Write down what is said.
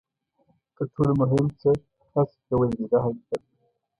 تر ټولو مهم څه هڅه کول دي دا حقیقت دی.